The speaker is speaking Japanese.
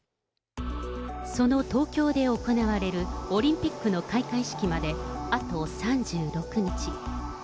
その東京で行われるオリンピックの開会式まであと３６日。